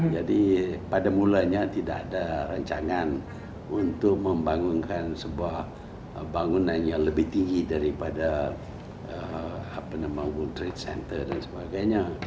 pada mulanya tidak ada rancangan untuk membangunkan sebuah bangunan yang lebih tinggi daripada world trade center dan sebagainya